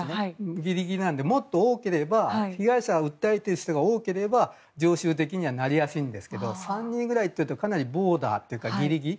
ギリギリなのでもっと多ければ被害者、訴えている人が多ければ常習的にはなりやすいんですが３人ぐらいというとかなりボーダーというかギリギリ。